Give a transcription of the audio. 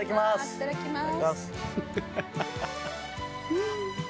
いただきます！